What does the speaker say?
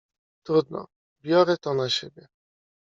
"Trudno, biorę to na siebie!"